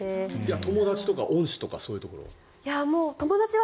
友達とか恩師とかそういうところは？